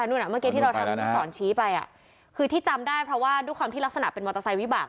นู่นอ่ะเมื่อกี้ที่เราทำมาสอนชี้ไปอ่ะคือที่จำได้เพราะว่าด้วยความที่ลักษณะเป็นมอเตอร์ไซค์วิบาก